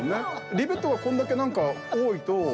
リベットがこんだけ何か多いと。